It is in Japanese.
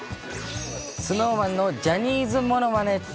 ＳｎｏｗＭａｎのジャニーズものまね。